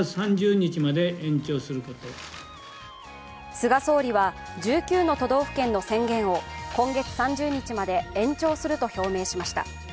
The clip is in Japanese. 菅総理は１９の都道府県の宣言を今月３０日まで延長すると表明しました。